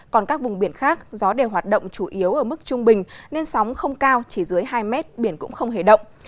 còn các vùng biển khác gió đều hoạt động chủ yếu ở mức trung bình nên sóng không cao chỉ dưới hai mét biển cũng không hề động